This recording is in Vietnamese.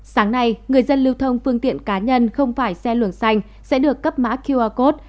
sáng nay người dân lưu thông phương tiện cá nhân không phải xe luồng xanh sẽ được cấp mã qr code